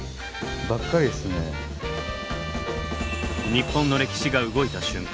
日本の歴史が動いた瞬間。